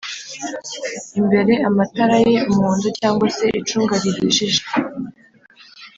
imbere: amatara yera umuhondo cg se icunga rihishije